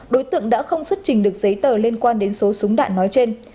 đối tượng đã không xuất trình được giấy tờ liên quan đến số súng đạn nói trên